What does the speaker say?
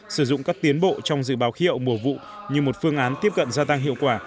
sử dụng các tiến bộ trong dự báo khí hậu mùa vụ như một phương án tiếp cận gia tăng hiệu quả